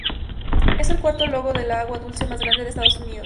Es el cuarto lago de agua dulce más grande de Estados Unidos.